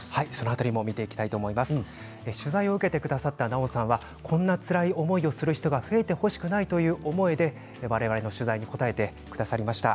取材を受けてくださった奈緒さんはこんなつらい思いをする人が増えてほしくないという思いで取材に答えてくださいました。